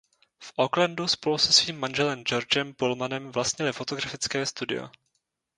V Aucklandu spolu se svým manželem Georgem Pulmanem vlastnili fotografické studio.